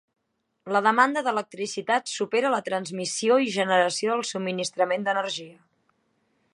La demanda d'electricitat supera la transmissió i generació del subministrament d'energia.